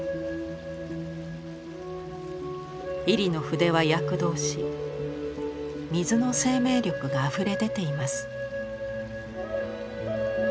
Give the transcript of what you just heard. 位里の筆は躍動し水の生命力があふれ出ています。